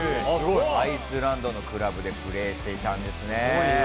アイスランドのクラブでプレーしていたんですね。